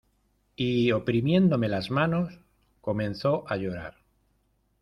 y oprimiéndome las manos, comenzó a llorar.